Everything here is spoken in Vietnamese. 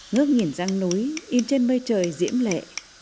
ngước nhìn răng núi in trên mây trời diễm lệ